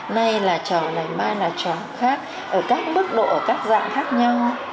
nay là trò này mai là trò khác ở các bức độ ở các dạng khác nhau